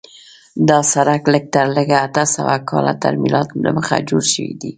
دا سړک لږ تر لږه اته سوه کاله تر میلاد دمخه جوړ شوی دی.